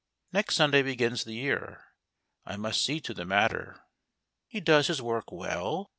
Next Sunday begins the year — I must see to the matter." " He does his work well